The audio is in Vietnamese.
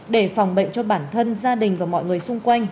để phòng bệnh cho bản thân gia đình và mọi người xung quanh